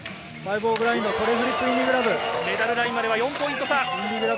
メダルラインまでは４ポイント差。